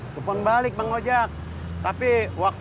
telepon balik bang ojak